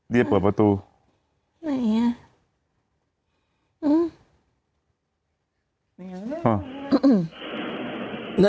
เดี๋ยวเปิดประตูไหนอ่ะ